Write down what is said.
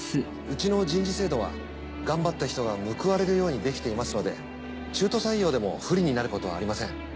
うちの人事制度は頑張った人が報われるようにできていますので中途採用でも不利になることはありません。